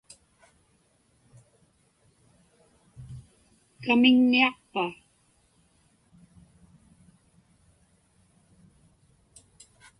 Kamiŋniaqpa?